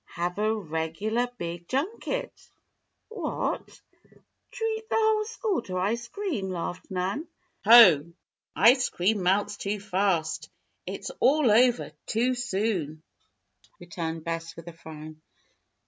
"Have a regular big junket." "What? Treat the whole school to ice cream?" laughed Nan. "Ho! ice cream melts too fast. It's all over too soon," returned Bess, with a frown.